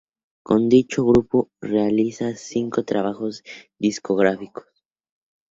Con dicho Grupo, realiza cinco trabajos discográficos.